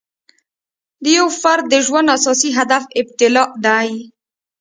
د یو فرد د ژوند اساسي هدف ابتلأ دی.